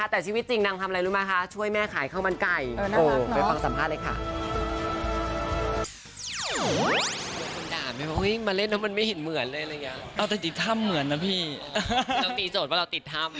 แต่คุณรู้ไหมคุณชื่อมันเท่าไหร่และเท่าแรก